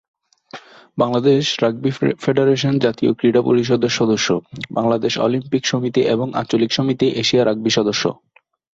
Bangladesh rugby federation জাতীয় ক্রীড়া পরিষদের সদস্য, বাংলাদেশ অলিম্পিক সমিতি এবং আঞ্চলিক সমিতি এশিয়া রাগবি সদস্য।